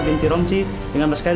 berikan yang kutip